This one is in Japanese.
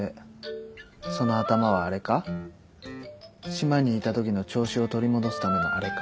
島にいたときの調子を取り戻すためのあれか？